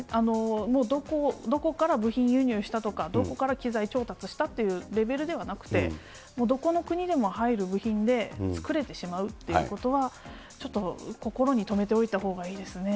もうどこから部品輸入したとか、どこから機材調達したっていうレベルではなくて、もうどこの国でも入る部品で作れてしまうっていうことは、ちょっと心に留めておいたほうがいいですね。